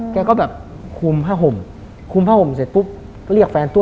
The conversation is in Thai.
แกก็แบบคูมผ้าห่มเสร็จปุ๊บเรียกแฟนต้น